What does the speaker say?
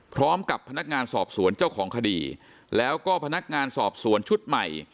พร้อมกับพนักงานสอบสวนเจ้าของคดีแล้วก็พนักงานสอบสวนชุดใหม่